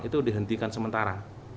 itu dihentikan sementara